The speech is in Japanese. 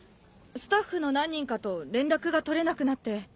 スタッフの何人かと連絡が取れなくなって。